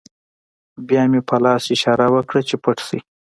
بیا مې په لاس اشاره وکړه چې پټ شئ